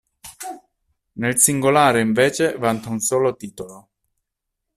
Nel singolare, invece, vanta un solo titolo.